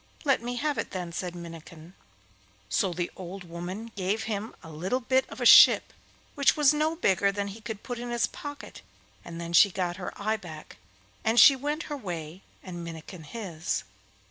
'Let me have it then,' said Minnikin. So the old woman gave him a little bit of a ship which was no bigger than he could put in his pocket, and then she got her eye back, and she went her way and Minnikin his.